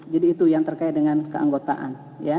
jadi itu yang terkait dengan keanggotaan